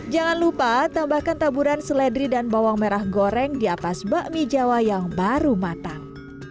jangan lupa tambahkan taburan seledri dan bawang merah goreng di atas bakmi jawa yang baru matang